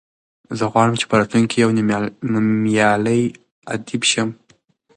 زه غواړم چې په راتلونکي کې یو نومیالی ادیب شم.